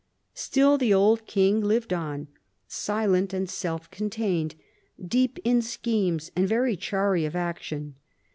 Still the old king lived on, silent and self contained, deep in schemes and very chary of action.